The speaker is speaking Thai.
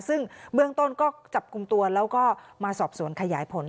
ซึ่งเบื้องต้นก็จับกลุ่มตัวแล้วก็มาสอบสวนขยายผล